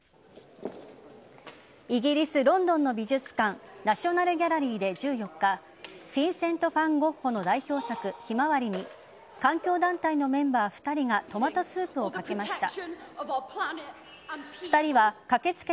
イギリス・ロンドンの美術館ナショナル・ギャラリーで１４日フィンセント・ファン・ゴッホの代表作「ひまわり」に環境団体のメンバー２人がトマトスープを掛けました。